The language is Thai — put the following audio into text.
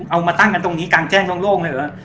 เอามาตั้งกันตรงนี้กางแจ้งตรงโลกเลย